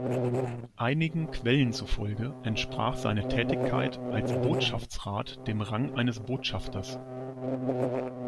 Einigen Quellen zufolge entsprach seine Tätigkeit als Botschaftsrat dem „Rang eines Botschafters“.